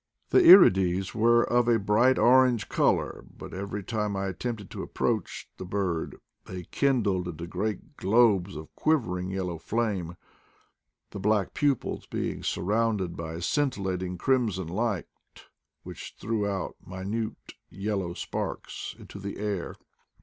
The hides were of a bright orange color, but every time I attempted to approach the bird they kindled into great globes of quivering yellow flame, the black pupils being surrounded by a scintillating crimson light which threw out minute yellow sparks into the air.